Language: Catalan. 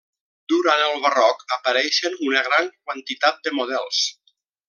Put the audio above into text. Durant el barroc apareixen una gran quantitat de models.